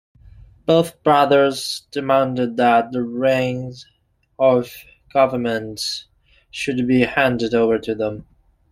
Both brothers demanded that the reigns of government should be handed over to them.